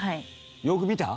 よく見た？